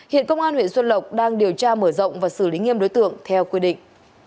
hiện công an huyện xuân lộc đang điều tra mở rộng và xử lý nghiêm đối tượng theo quy định